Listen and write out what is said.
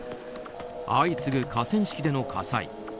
相次ぐ河川敷での火災。